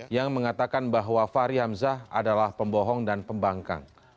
yang mengatakan bahwa fahri hamzah adalah pembohong dan pembangkang